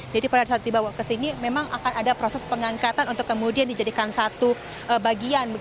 jadi pada saat dibawa ke sini memang akan ada proses pengangkatan untuk kemudian dijadikan satu bagian